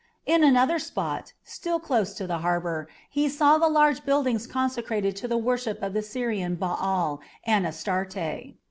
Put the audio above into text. In another spot, still close to the harbour, he saw the large buildings consecrated to the worship of the Syrian Baal and Astarte.